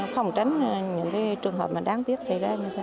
không tránh những trường hợp đáng tiếc xảy ra như thế này